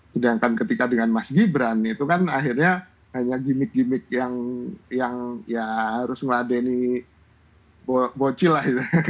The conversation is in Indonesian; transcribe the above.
sedangkan ketika dengan mas gibran itu kan akhirnya hanya gimmick gimmick yang ya harus meladeni boci lah